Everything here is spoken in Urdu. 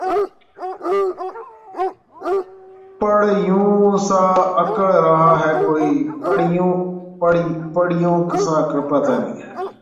پٹریوں سا اکھڑ رہا ہے کوئی